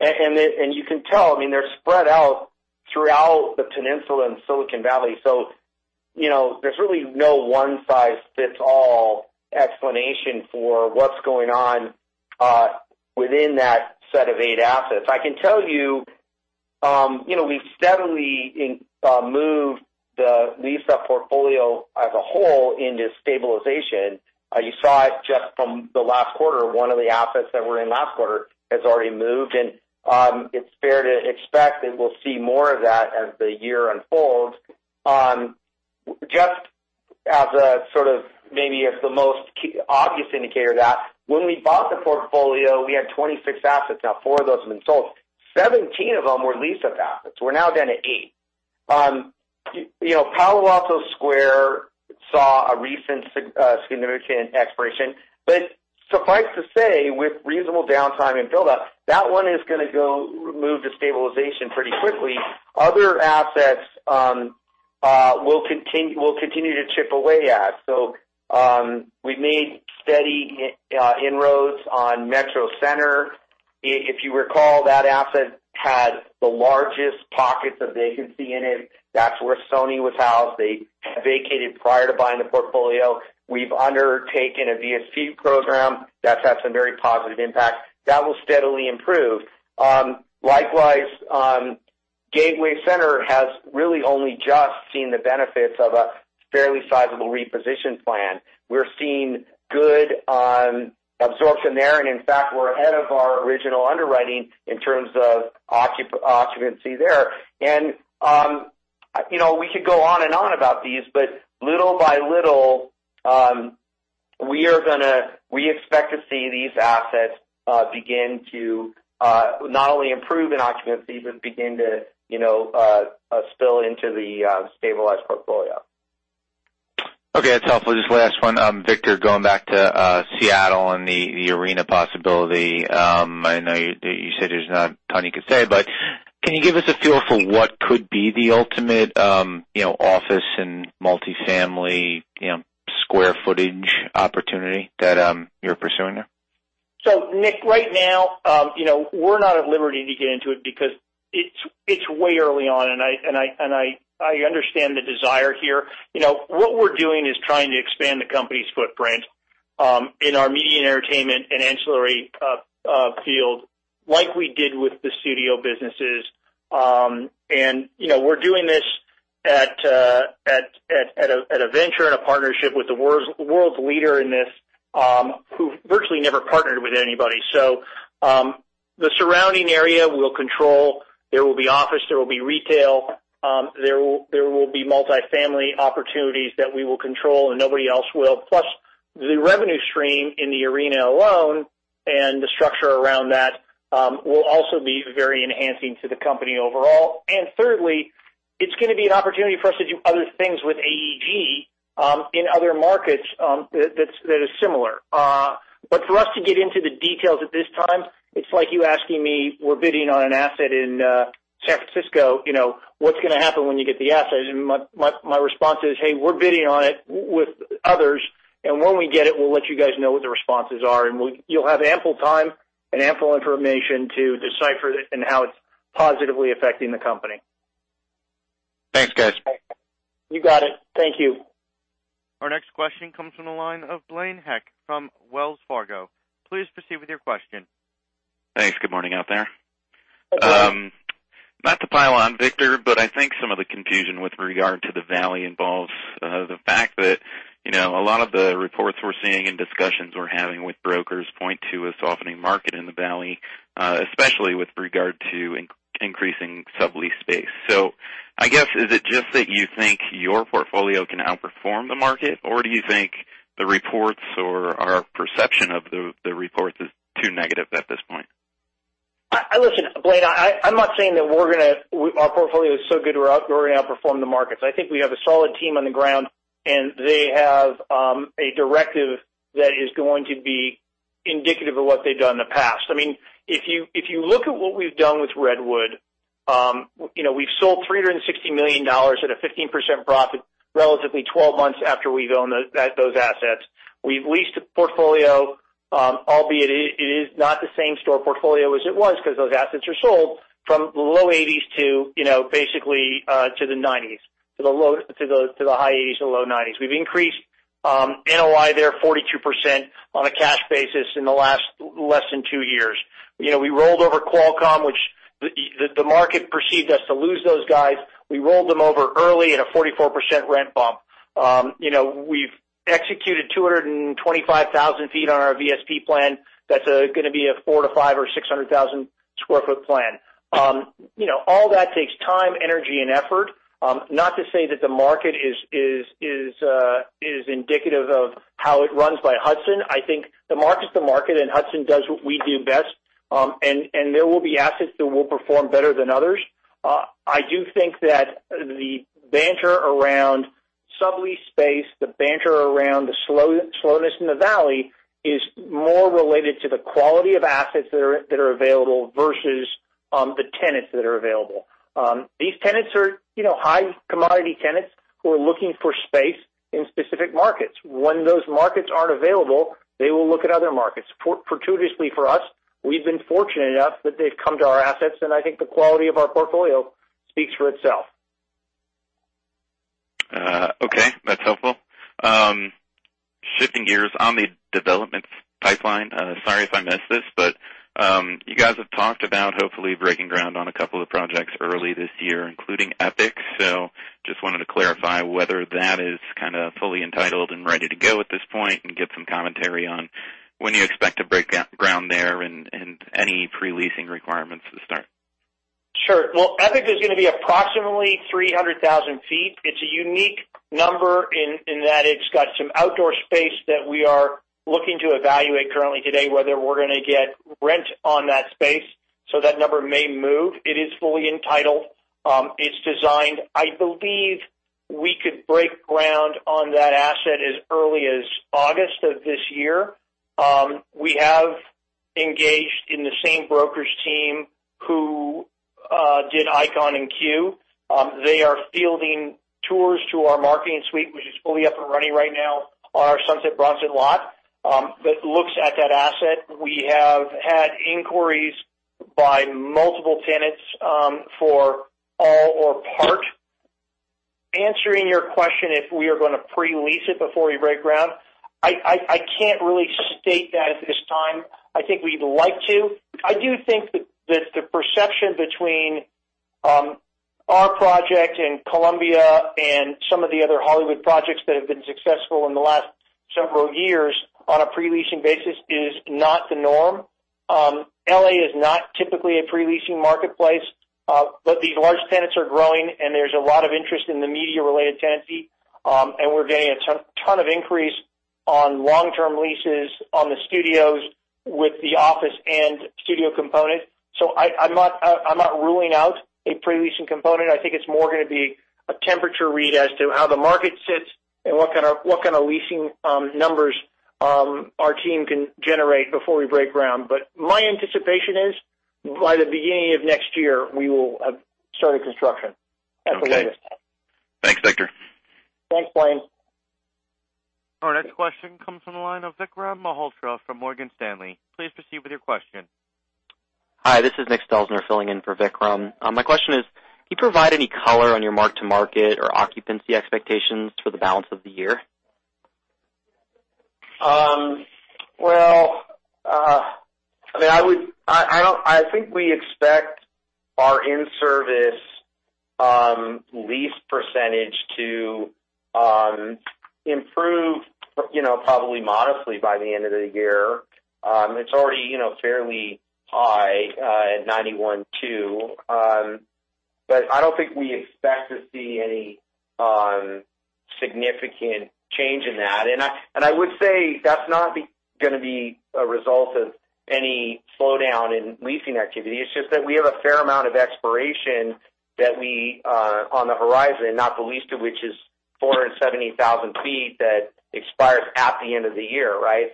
You can tell, they're spread out throughout the peninsula in Silicon Valley. There's really no one-size-fits-all explanation for what's going on within that set of eight assets. I can tell you, we've steadily moved the lease-up portfolio as a whole into stabilization. You saw it just from the last quarter. One of the assets that were in last quarter has already moved, and it's fair to expect that we'll see more of that as the year unfolds. Just as a sort of maybe as the most obvious indicator that when we bought the portfolio, we had 26 assets. Now four of those have been sold. 17 of them were lease-up assets. We're now down to eight. Palo Alto Square saw a recent significant expiration. Suffice to say, with reasonable downtime and buildup, that one is going to go move to stabilization pretty quickly. Other assets we'll continue to chip away at. We've made steady inroads on Metro Center. If you recall, that asset had the largest pockets of vacancy in it. That's where Sony was housed. They vacated prior to buying the portfolio. We've undertaken a VSP program. That's had some very positive impact. That will steadily improve. Likewise, Gateway Center has really only just seen the benefits of a fairly sizable reposition plan. We're seeing good absorption there, and in fact, we're ahead of our original underwriting in terms of occupancy there. We could go on and on about these, but little by little, we expect to see these assets begin to not only improve in occupancy but begin to spill into the stabilized portfolio. Okay, that's helpful. Just last one. Victor, going back to Seattle and the arena possibility. I know you said there's not a ton you could say, but can you give us a feel for what could be the ultimate office and multi-family square footage opportunity that you're pursuing there? Nick, right now, we're not at liberty to get into it because it's way early on, and I understand the desire here. What we're doing is trying to expand the company's footprint in our media and entertainment and ancillary field like we did with the studio businesses. We're doing this at a venture and a partnership with the world's leader in this, who virtually never partnered with anybody. The surrounding area we'll control. There will be office, there will be retail. There will be multi-family opportunities that we will control and nobody else will. Plus the revenue stream in the arena alone and the structure around that will also be very enhancing to the company overall. Thirdly, it's going to be an opportunity for us to do other things with AEG in other markets that is similar. For us to get into the details at this time, it's like you asking me, we're bidding on an asset in San Francisco, what's going to happen when you get the asset? My response is, hey, we're bidding on it with others, and when we get it, we'll let you guys know what the responses are, and you'll have ample time and ample information to decipher and how it's positively affecting the company. Thanks, guys. You got it. Thank you. Our next question comes from the line of Blaine Heck from Wells Fargo. Please proceed with your question. Thanks. Good morning out there. Good morning. Not to pile on Victor, but I think some of the confusion with regard to the Valley involves the fact that a lot of the reports we're seeing and discussions we're having with brokers point to a softening market in the Valley, especially with regard to increasing sublease space. I guess, is it just that you think your portfolio can outperform the market, or do you think the reports or our perception of the reports is too negative at this point? Listen, Blaine, I'm not saying that our portfolio is so good we're going to outperform the markets. I think we have a solid team on the ground, and they have a directive that is going to be indicative of what they've done in the past. If you look at what we've done with Redwood, we've sold $360 million at a 15% profit relatively 12 months after we've owned those assets. We've leased a portfolio, albeit it is not the same store portfolio as it was because those assets are sold from the low 80s to basically to the 90s, to the high 80s or low 90s. We've increased NOI there 42% on a cash basis in the last less than two years. We rolled over Qualcomm, which the market perceived us to lose those guys. We rolled them over early at a 44% rent bump. We've executed 225,000 feet on our VSP plan. That's going to be a four to five or 600,000 square foot plan. All that takes time, energy, and effort. Not to say that the market is indicative of how it runs by Hudson. I think the market's the market, and Hudson does what we do best. There will be assets that will perform better than others. I do think that the banter around sublease space, the banter around the slowness in the valley is more related to the quality of assets that are available versus the tenants that are available. These tenants are high commodity tenants who are looking for space in specific markets. When those markets aren't available, they will look at other markets. Fortuitously for us, we've been fortunate enough that they've come to our assets, and I think the quality of our portfolio speaks for itself. Okay. That's helpful. Shifting gears on the development pipeline. Sorry if I missed this. You guys have talked about hopefully breaking ground on a couple of projects early this year, including Epic. Just wanted to clarify whether that is kind of fully entitled and ready to go at this point and get some commentary on when you expect to break ground there and any pre-leasing requirements to start. Sure. Epic is going to be approximately 300,000 feet. It's a unique number in that it's got some outdoor space that we are looking to evaluate currently today, whether we're going to get rent on that space. That number may move. It is fully entitled. It's designed. I believe we could break ground on that asset as early as August of this year. We have engaged the same brokers team who did Icon and CUE. They are fielding tours to our marketing suite, which is fully up and running right now on our Sunset Bronson Studios lot that looks at that asset. We have had inquiries by multiple tenants for all or part. Answering your question, if we are going to pre-lease it before we break ground, I can't really state that at this time. I think we'd like to. I do think that the perception between our project and Columbia Pictures and some of the other Hollywood projects that have been successful in the last several years on a pre-leasing basis is not the norm. L.A. is not typically a pre-leasing marketplace. These large tenants are growing, and there's a lot of interest in the media-related tenancy. We're getting a ton of increase on long-term leases on the studios with the office and studio component. I'm not ruling out a pre-leasing component. I think it's more going to be a temperature read as to how the market sits and what kind of leasing numbers our team can generate before we break ground. My anticipation is by the beginning of next year, we will have started construction at the latest. Okay. Thanks, Victor. Thanks, Blaine. Our next question comes from the line of Vikram Malhotra from Morgan Stanley. Please proceed with your question. Hi, this is Nick Stelzner filling in for Vikram. My question is, can you provide any color on your mark-to-market or occupancy expectations for the balance of the year? I think we expect our in-service lease percentage to improve probably modestly by the end of the year. It's already fairly high at 91.2. I don't think we expect to see any significant change in that. I would say that's not going to be a result of any slowdown in leasing activity. It's just that we have a fair amount of expiration on the horizon, not the least of which is 470,000 feet that expires at the end of the year, right?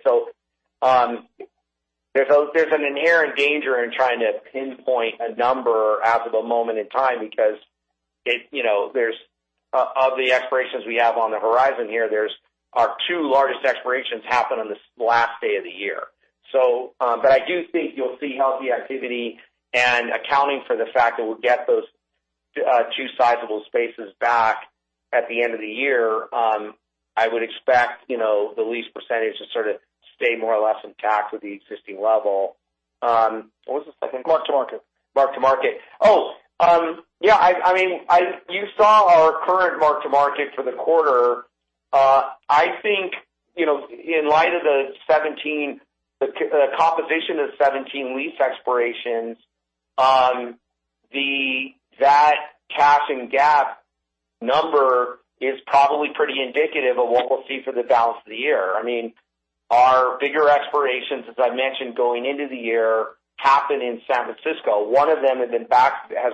There's an inherent danger in trying to pinpoint a number as of a moment in time because of the expirations we have on the horizon here, our two largest expirations happen on the last day of the year. I do think you'll see healthy activity and accounting for the fact that we'll get those two sizable spaces back at the end of the year. I would expect the lease percentage to sort of stay more or less intact with the existing level. What was the second? Mark-to-market. Mark-to-market. Oh, yeah. You saw our current mark-to-market for the quarter. I think, in light of the composition of 2017 lease expirations, that cash and GAAP number is probably pretty indicative of what we'll see for the balance of the year. Our bigger expirations, as I mentioned, going into the year, happen in San Francisco. One of them has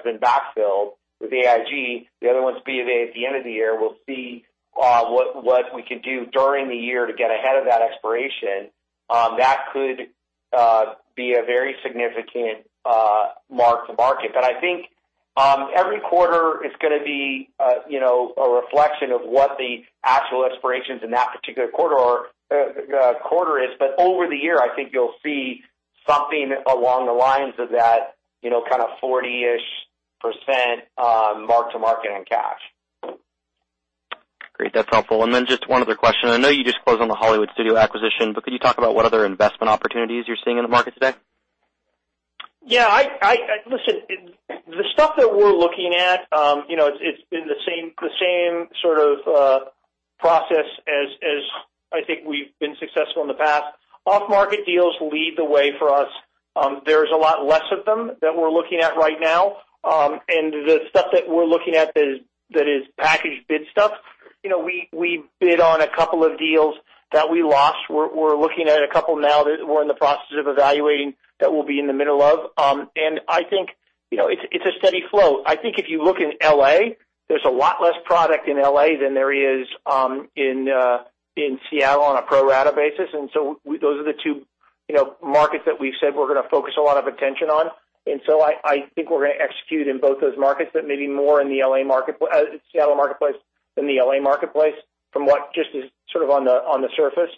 been back-filled with AIG. The other one's Bank of America at the end of the year. We'll see what we can do during the year to get ahead of that expiration. That could be a very significant mark-to-market. I think every quarter is going to be a reflection of what the actual expirations in that particular quarter are, but over the year, I think you'll see something along the lines of that 40-ish % mark-to-market in cash. Great. That's helpful. Just one other question. I know you just closed on the Hollywood studio acquisition, but could you talk about what other investment opportunities you're seeing in the market today? Yeah. Listen, the stuff that we're looking at, it's been the same sort of process as I think we've been successful in the past. Off-market deals lead the way for us. There's a lot less of them that we're looking at right now. The stuff that we're looking at that is package bid stuff, we bid on a couple of deals that we lost. We're looking at a couple now that we're in the process of evaluating that we'll be in the middle of. I think it's a steady flow. I think if you look in L.A., there's a lot less product in L.A. than there is in Seattle on a pro rata basis, those are the two markets that we've said we're going to focus a lot of attention on. I think we're going to execute in both those markets, maybe more in the Seattle marketplace than the L.A. marketplace from what just is sort of on the surface.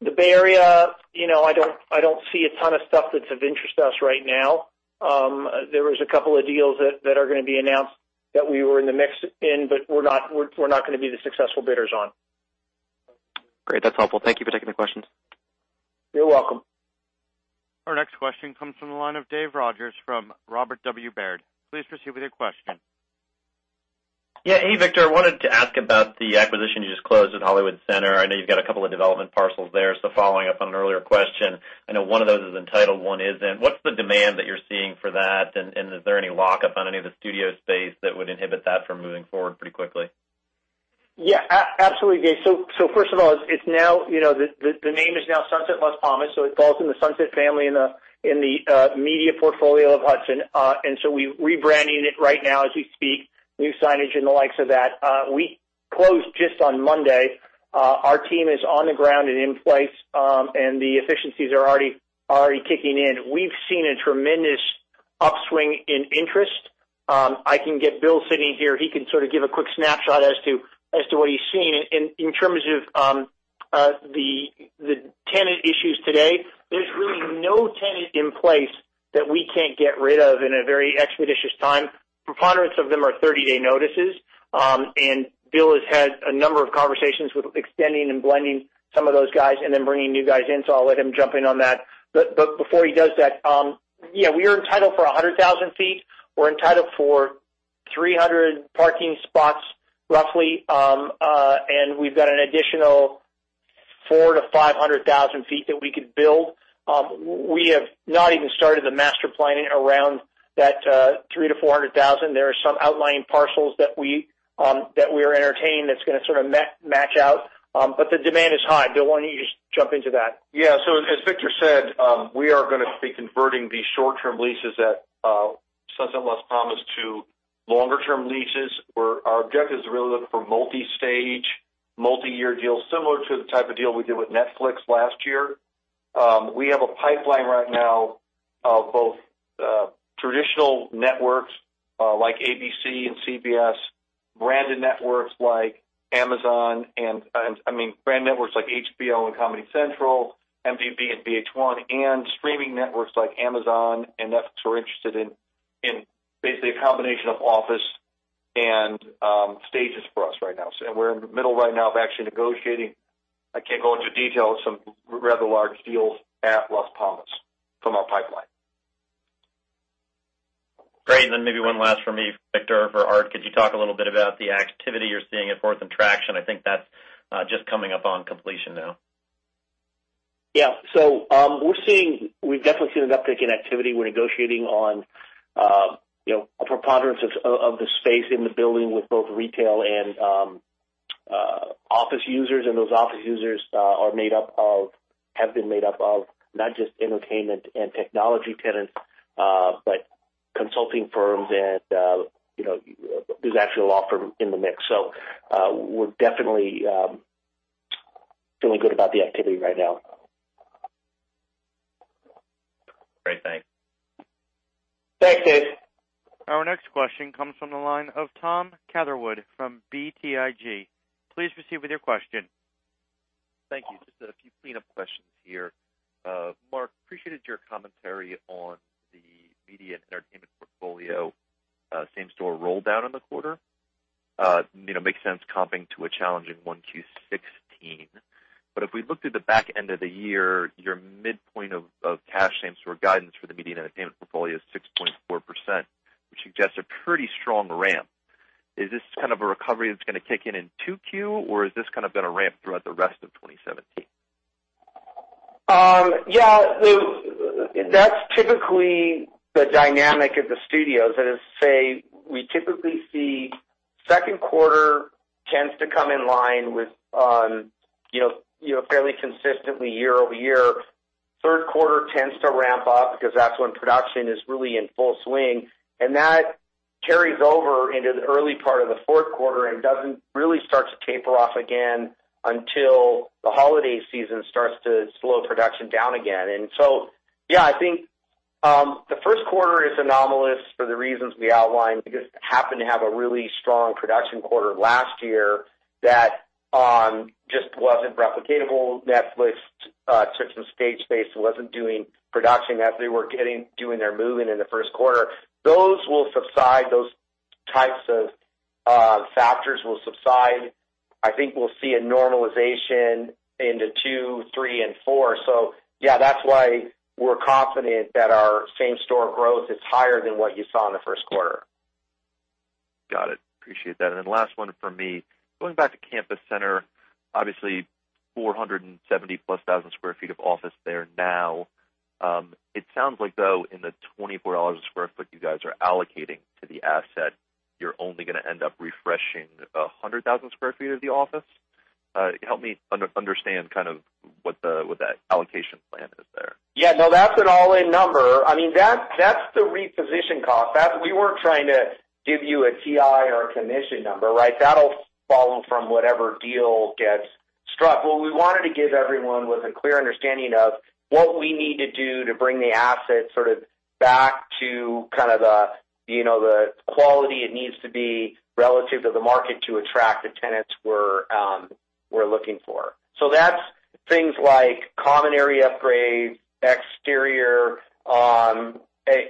The Bay Area, I don't see a ton of stuff that's of interest to us right now. There was a couple of deals that are going to be announced that we were in the mix in, we're not going to be the successful bidders on. Great. That's helpful. Thank you for taking the questions. You're welcome. Our next question comes from the line of Dave Rogers from Robert W. Baird. Please proceed with your question. Yeah. Hey, Victor. I wanted to ask about the acquisition you just closed at Hollywood Center. I know you've got a couple of development parcels there. Following up on an earlier question, I know one of those is entitled, one isn't. What's the demand that you're seeing for that, and is there any lock-up on any of the studio space that would inhibit that from moving forward pretty quickly? Yeah. Absolutely, Dave. First of all, the name is now Sunset Las Palmas, so it falls in the Sunset family in the media portfolio of Hudson. We're rebranding it right now as we speak, new signage and the likes of that. We closed just on Monday. Our team is on the ground and in place, and the efficiencies are already kicking in. We've seen a tremendous upswing in interest. I can get Bill Sidwell here. He can sort of give a quick snapshot as to what he's seeing. In terms of the tenant issues today, there's really no tenant in place that we can't get rid of in a very expeditious time. Preponderance of them are 30-day notices. Bill has had a number of conversations with extending and blending some of those guys and then bringing new guys in, I'll let him jump in on that. Before he does that, yeah, we are entitled for 100,000 feet. We're entitled for 300 parking spots, roughly. We've got an additional 400,000 to 500,000 feet that we could build. We have not even started the master planning around that 300,000 to 400,000. There are some outlying parcels that we are entertaining that's going to sort of match out. The demand is high. Bill, why don't you just jump into that? Yeah. As Victor said, we are going to be converting the short-term leases at Sunset Las Palmas to longer-term leases, where our objective is to really look for multi-stage, multi-year deals, similar to the type of deal we did with Netflix last year. We have a pipeline right now of both traditional networks like ABC and CBS, branded networks like HBO and Comedy Central, MTV and VH1, and streaming networks like Amazon and Netflix who are interested in basically a combination of office and stages for us right now. We're in the middle right now of actually negotiating. I can't go into detail of some rather large deals at Las Palmas from our pipeline. Great. Then maybe one last from me, Victor or Art. Could you talk a little bit about the activity you're seeing at Fourth and Traction? I think that's just coming up on completion now. Yeah. We've definitely seen an uptick in activity. We're negotiating on a preponderance of the space in the building with both retail and office users, those office users have been made up of not just entertainment and technology tenants, but consulting firms and there's actually a law firm in the mix. We're definitely feeling good about the activity right now. Great, thanks. Thanks, Dave. Our next question comes from the line of Thomas Catherwood from BTIG. Please proceed with your question. Thank you. Just a few cleanup questions here. Mark, appreciated your commentary on the media and entertainment portfolio same-store roll down in the quarter. Makes sense comping to a challenging 1Q 2016. If we look to the back end of the year, your midpoint of cash same-store guidance for the media and entertainment portfolio is 6.4%. suggests a pretty strong ramp. Is this kind of a recovery that's going to kick in in 2Q, or is this going to ramp throughout the rest of 2017? That's typically the dynamic of the studios. That is to say, we typically see second quarter tends to come in line with fairly consistently year-over-year. Third quarter tends to ramp up because that's when production is really in full swing, and that carries over into the early part of the fourth quarter and doesn't really start to taper off again until the holiday season starts to slow production down again. I think the first quarter is anomalous for the reasons we outlined, because we happened to have a really strong production quarter last year that just wasn't replicatable. Netflix took some stage space and wasn't doing production, as they were doing their move-in in the first quarter. Those types of factors will subside. I think we'll see a normalization into two, three, and four. That's why we're confident that our same-store growth is higher than what you saw in the first quarter. Got it. Appreciate that. Last one from me. Going back to Campus Center, obviously 470-plus thousand sq ft of office there now. It sounds like, though, in the $24 a sq ft you guys are allocating to the asset, you're only going to end up refreshing 100,000 sq ft of the office. Help me understand what that allocation plan is there. That's an all-in number. That's the reposition cost. We weren't trying to give you a TI or a commission number, right? That'll fall from whatever deal gets struck. What we wanted to give everyone was a clear understanding of what we need to do to bring the asset back to the quality it needs to be relative to the market to attract the tenants we're looking for. That's things like common area upgrades, exterior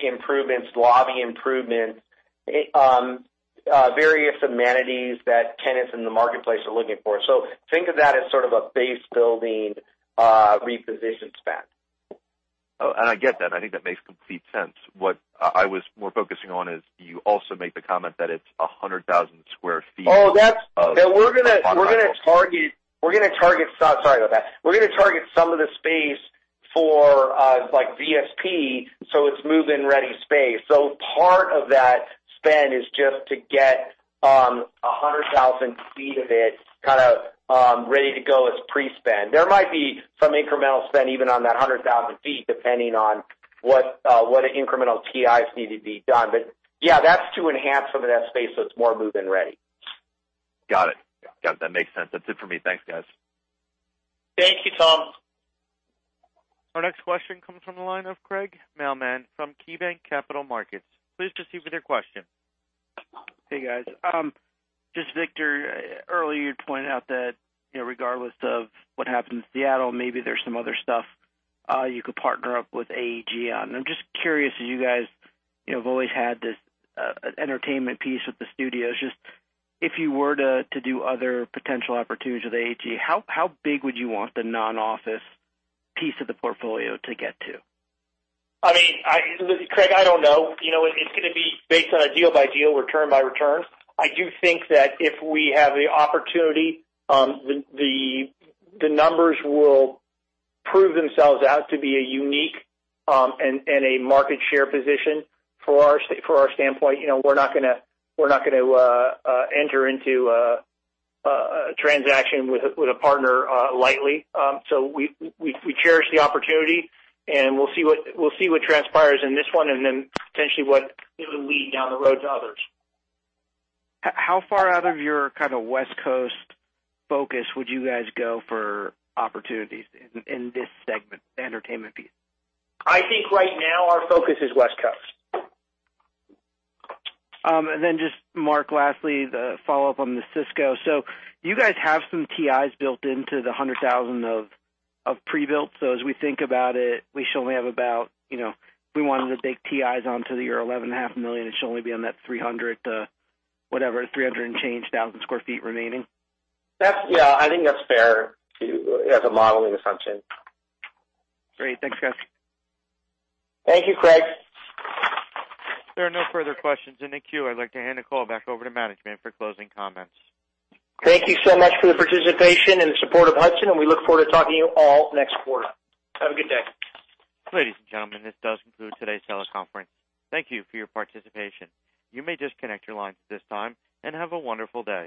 improvements, lobby improvements, various amenities that tenants in the marketplace are looking for. Think of that as sort of a base building reposition spend. Oh, I get that. I think that makes complete sense. What I was more focusing on is you also made the comment that it's 100,000 square feet of- We're going to target. Sorry about that. We're going to target some of the space for VSP, so it's move-in ready space. Part of that spend is just to get 100,000 feet of it ready to go as pre-spend. There might be some incremental spend even on that 100,000 feet, depending on what incremental TIs need to be done. Yeah, that's to enhance some of that space, so it's more move-in ready. Got it. Yeah, that makes sense. That's it for me. Thanks, guys. Thank you, Tom. Our next question comes from the line of Craig Mailman from KeyBanc Capital Markets. Please proceed with your question. Hey, guys. Just Victor, earlier you pointed out that regardless of what happens in Seattle, maybe there's some other stuff you could partner up with AEG on. I'm just curious, as you guys have always had this entertainment piece with the studios, just if you were to do other potential opportunities with AEG, how big would you want the non-office piece of the portfolio to get to? Craig, I don't know. It's going to be based on a deal-by-deal, return-by-return. I do think that if we have the opportunity, the numbers will prove themselves out to be a unique and a market share position. For our standpoint, we're not going to enter into a transaction with a partner lightly. We cherish the opportunity, and we'll see what transpires in this one, and then potentially what it'll lead down the road to others. How far out of your West Coast focus would you guys go for opportunities in this segment, the entertainment piece? I think right now our focus is West Coast. Just, Mark, lastly, the follow-up on the Cisco. You guys have some TIs built into the 100,000 of pre-built. As we think about it, we should only have about If we wanted to bake TIs onto your 11.5 million, it should only be on that 300 and change thousand sq ft remaining. Yeah, I think that's fair as a modeling assumption. Great. Thanks, guys. Thank you, Craig. There are no further questions in the queue. I'd like to hand the call back over to management for closing comments. Thank you so much for the participation and the support of Hudson, and we look forward to talking to you all next quarter. Have a good day. Ladies and gentlemen, this does conclude today's teleconference. Thank you for your participation. You may disconnect your lines at this time, and have a wonderful day.